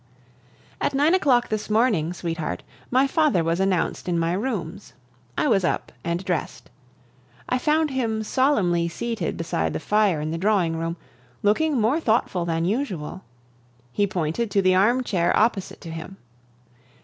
At nine o'clock this morning, sweetheart, my father was announced in my rooms. I was up and dressed. I found him solemnly seated beside the fire in the drawing room, looking more thoughtful than usual. He pointed to the armchair opposite to him.